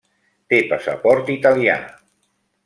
Té passaport italià.